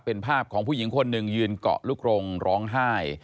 เป็นภาพของผู้หญิงคนหนึ่งยืนเกาะลูกรงร้องไห้